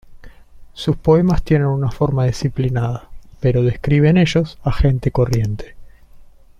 Sus poemas tienen una forma disciplinada, pero describe en ellos a gente corriente.